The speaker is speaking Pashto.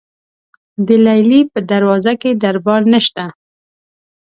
د لیلې په دروازه کې دربان نشته.